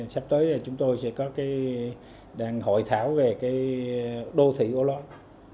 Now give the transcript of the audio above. sắp tới chúng tôi sẽ có đàn hội thảo về đô thị ô lan